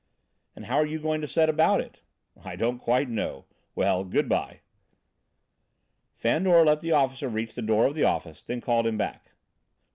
"And how are you going to set about it?" "I don't quite know. Well, good bye." Fandor let the officer reach the door of the office, then called him back.